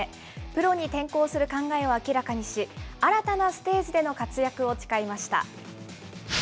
プロに転向する考えを明らかにし、新たなステージでの活躍を誓いました。